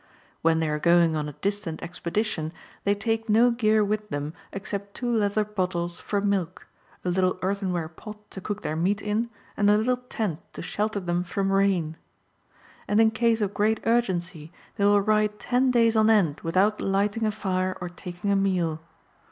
When they are going on a distant expedition they take no gear with them except two leather bottles for milk ; a little earthenware pot to cook their meat in, and a little tent to shelter them from rain.^ And in case of great urgency they will ride ten days on end without lighting a fire or taking a meal.